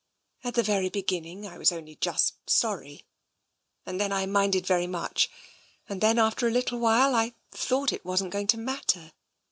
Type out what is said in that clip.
At the very beginning I was only just sorry, and then I minded very much, and then, after a little while, I thought it wasn't going to matter.